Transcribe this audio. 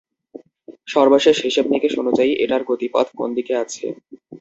সর্বশেষ হিসেবনিকেশ অনুযায়ী এটার গতিপথ কোনদিকে আছে?